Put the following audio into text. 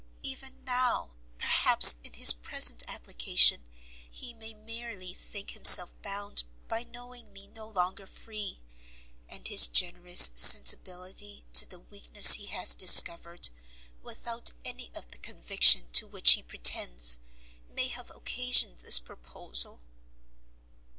Even now, perhaps, in his present application, he may merely think himself bound by knowing me no longer free, and his generous sensibility to the weakness he has discovered, without any of the conviction to which he pretends, may have occasioned this proposal!"